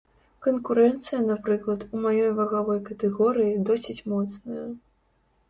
Канкурэнцыя, напрыклад, у маёй вагавой катэгорыі, досыць моцная.